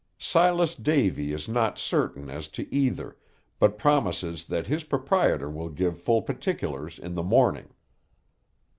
Silas Davy is not certain as to either, but promises that his proprietor will give full particulars in the morning.